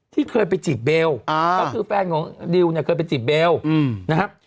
ที่เคยไปจีบเบลก็คือแฟนของดิวเนี่ยเคยไปจีบเบลนะครับ